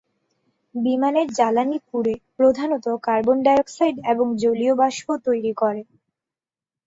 বিমানের জ্বালানী পুড়ে প্রধানত কার্বন ডাইঅক্সাইড এবং জলীয় বাষ্প তৈরি করে।